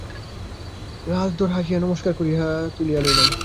রাজধর হাসিয়া নমস্কার করিয়া তাহা তুলিয়া লইলেন।